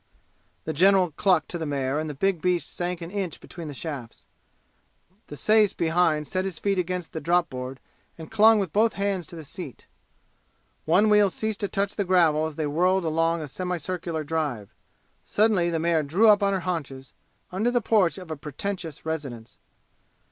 The general clucked to the mare and the big beast sank an inch between the shafts. The sais behind set his feet against the drop board and clung with both hands to the seat. One wheel ceased to touch the gravel as they whirled along a semicircular drive. Suddenly the mare drew up on her haunches, under the porch of a pretentious residence.